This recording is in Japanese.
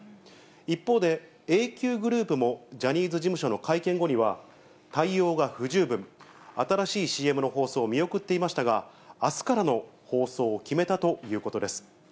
一方で、ＡＱＧｒｏｕｐも、ジャニーズ事務所の会見後には、対応が不十分、新しいＣＭの放送を見送っていましたが、あすからの放送を決めたということです。